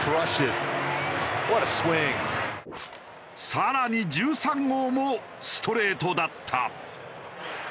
更に１３号もストレートだった。